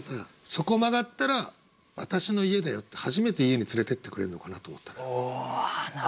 「そこ曲がったら私の家だよ」って初めて家に連れてってくれるのかなと思ったの。